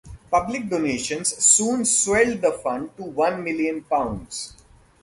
Public donations soon swelled the fund to one million pounds.